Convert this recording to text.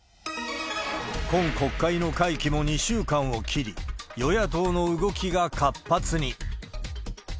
今国会の会期も２週間を切り、与野党の動きが活発に。